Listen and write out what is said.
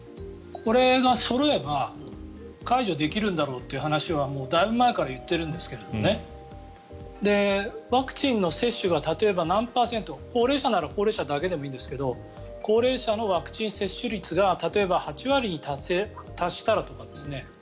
これがそろえば解除できるんだろうという話はだいぶ前から言ってるんですがワクチンの接種が例えば何パーセント高齢者なら高齢者だけでもいいんですが高齢者のワクチン接種率が例えば８割に達したらとかですね